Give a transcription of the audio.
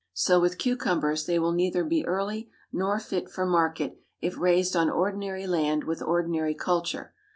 So with cucumbers: they will neither be early, nor fit for market, if raised on ordinary land with ordinary culture.